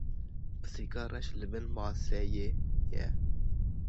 Pisîka reş li bin maseyê ye.